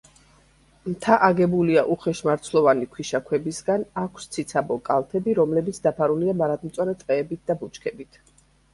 მთა აგებულია უხეშმარცვლოვანი ქვიშაქვებისაგან, აქვს ციცაბო კალთები, რომლებიც დაფარულია მარადმწვანე ტყეებით და ბუჩქებით.